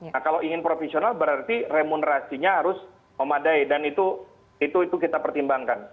nah kalau ingin profesional berarti remunerasinya harus memadai dan itu kita pertimbangkan